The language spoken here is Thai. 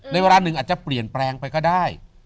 เวลาหนึ่งอาจจะเปลี่ยนแปลงไปก็ได้